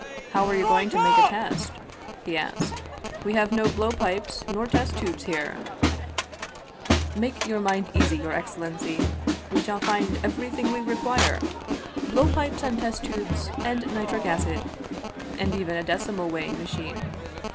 " How are you going to make a test ?" he asked. " We have no blow pipes nor test tubes here ?"" Make your mind easy, your excellency ! We shall find everything we require blow pipes and test tubes and nitric acid, and even a decimal weighing machine.